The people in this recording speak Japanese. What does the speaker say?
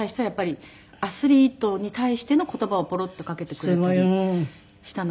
やっぱりアスリートに対しての言葉をポロッとかけてくれたりしたのが。